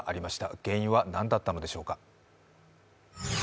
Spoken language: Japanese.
原因は何だったのでしょうか。